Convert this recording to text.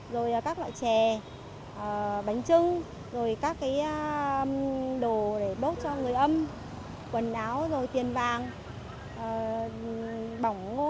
rồi các loại chè bánh trưng rồi các cái đồ để bốc cho người âm quần áo rồi tiền vàng bỏng ngô